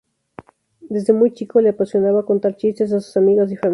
Desde muy chico le apasionaba contar chistes a sus amigos y familiares.